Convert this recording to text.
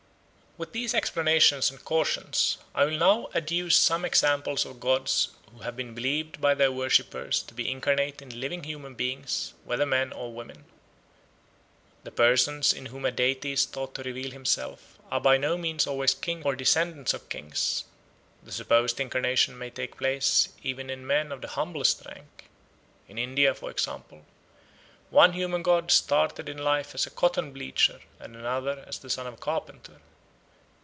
With these explanations and cautions I will now adduce some examples of gods who have been believed by their worshippers to be incarnate in living human beings, whether men or women. The persons in whom a deity is thought to reveal himself are by no means always kings or descendants of kings; the supposed incarnation may take place even in men of the humblest rank. In India, for example, one human god started in life as a cotton bleacher and another as the son of a carpenter.